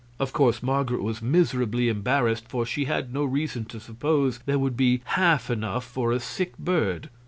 Of course Marget was miserably embarrassed, for she had no reason to suppose there would be half enough for a sick bird.